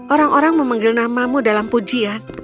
orang orang memanggil namamu dalam pujian